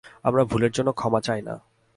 আমরা ভুলের জন্য ক্ষমা চাই না।